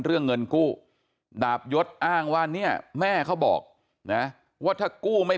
เรื่องเงินกู้ดาบยศอ้างว่าเนี่ยแม่เขาบอกนะว่าถ้ากู้ไม่